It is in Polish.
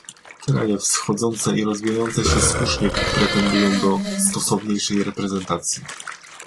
Kraje wschodzące i rozwijające się słusznie pretendują do stosowniejszej reprezentacji